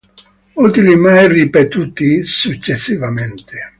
Utili mai ripetuti successivamente.